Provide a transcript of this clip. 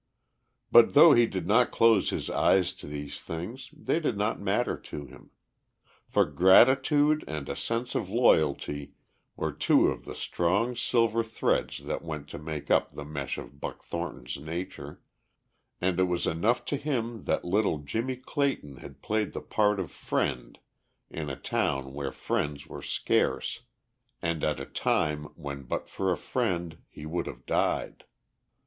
But though he did not close his eyes to these things they did not matter to him. For gratitude and a sense of loyalty were two of the strong silver threads that went to make up the mesh of Buck Thornton's nature, and it was enough to him that little Jimmie Clayton had played the part of friend in a town where friends were scarce and at a time when but for a friend he would have died.